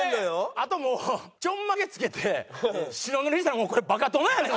あともうちょんまげつけて白塗りしたらこれバカ殿やねん。